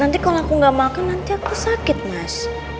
nanti kalau aku nggak makan nanti aku sakit mas